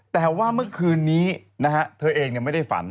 แต่ว่าเมื่อคืนนี้นะฮะเธอเองไม่ได้ฝัน